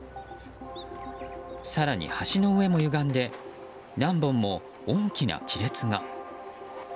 更に橋の上もゆがんで何本も大きな亀裂が。